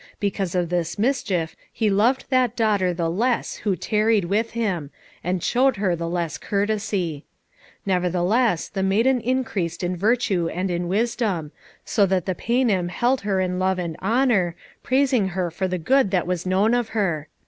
Because of this mischief he loved that daughter the less who tarried with him, and showed her the less courtesy. Nevertheless the maiden increased in virtue and in wisdom, so that the Paynim held her in love and honour, praising her for the good that was known of her.